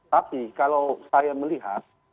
tapi kalau saya melihat